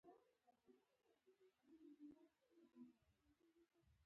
نوموړی د خپلو ډلو څو منتخب کسانو سره پاته شول.